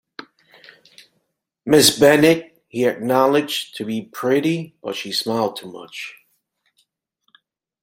Miss Bennet he acknowledged to be pretty, but she smiled too much.